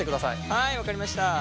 はい分かりました。